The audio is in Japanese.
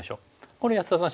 これ安田さん